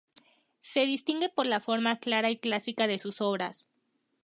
Se distingue por la forma clara y clásica de sus obras.